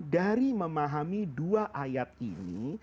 dari memahami dua ayat ini